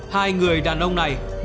hai người đàn ông này mỗi khi đi uống rượu